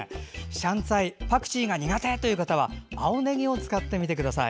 シャンツァイ、パクチーが苦手という方は青ねぎを使ってみてください。